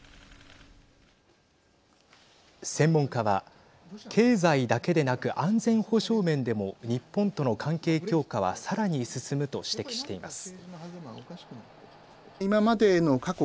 専門家は経済だけでなく安全保障面でも日本との関係強化はさらに進むと指摘しています。